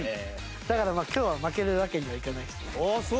だから今日は負けるわけにはいかないですね。